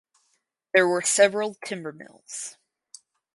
There were several timber mills.